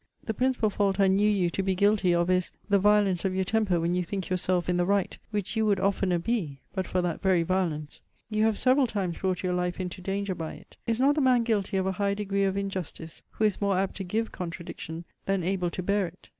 The principal fault I knew you to be guilty of is, the violence of your temper when you think yourself in the right; which you would oftener be, but for that very violence. You have several times brought your life into danger by it. Is not the man guilty of a high degree of injustice, who is more apt to give contradiction, than able to bear it?